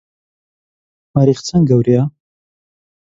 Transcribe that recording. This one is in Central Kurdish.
مەریخ چەند گەورەیە؟